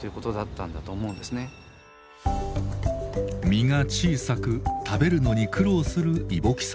身が小さく食べるのに苦労するイボキサゴ。